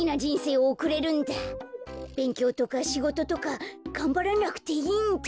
べんきょうとかしごととかがんばらなくていいんだ！